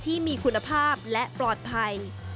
ที่มีคุณภาพและปลอดภัย